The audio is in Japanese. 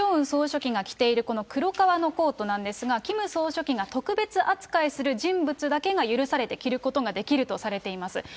総書記が着ているこの黒革のコートなんですが、キム総書記が特別扱いする人物だけが、許されて着ることができるとされています。